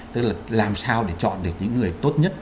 tức là làm sao để chọn được những người tốt nhất